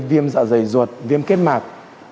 viêm dạ dày ruột viêm kết mạc